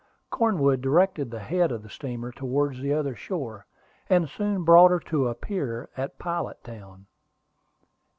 Cornwood directed the head of the steamer towards the other shore, and soon brought her to a pier at Pilot Town.